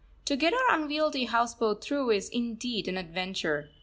To get our unwieldy house boat through is indeed an adventure.